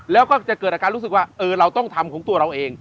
แล้วก็จะเกิดอาการรู้สึกว่าเราต้องทำของตัวเราเอง